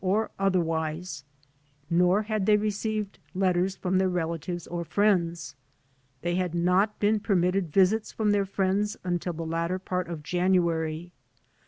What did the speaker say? • uJierWiSe, nor had they received letters from their relatives or friends. They had not been permitted visits from their friends until the latter part of January.